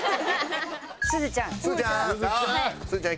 すずちゃん。